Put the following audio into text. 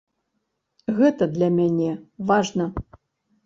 Гэта для мяне важна.